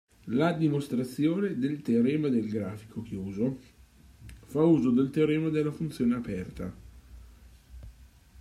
La dimostrazione del teorema del grafico chiuso fa uso del teorema della funzione aperta.